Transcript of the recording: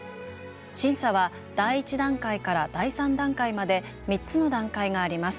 審査は第１段階から第３段階まで３つの段階があります。